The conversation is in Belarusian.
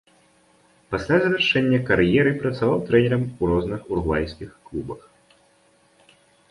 Пасля завяршэння кар'еры працаваў трэнерам у розных уругвайскіх клубах.